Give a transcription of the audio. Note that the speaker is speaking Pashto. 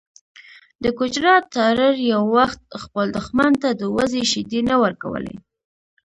د ګجرات تارړ یو وخت خپل دښمن ته د وزې شیدې نه ورکولې.